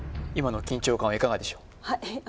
今の緊張感はいかがでしょう